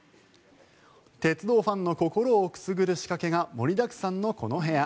鉄道ファンの心をくすぐる仕掛けが盛りだくさんのこの部屋。